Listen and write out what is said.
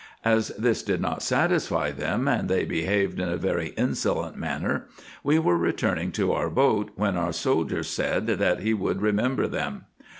As this did not satisfy them, and they behaved in a very insolent manner, we were return ing to our boat, when our soldier said, that he would remember them.